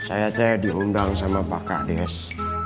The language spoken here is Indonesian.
saya terhutang diundang sama pak kades